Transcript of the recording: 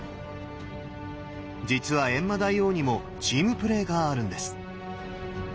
実は閻魔大王にもチームプレーがあるんです。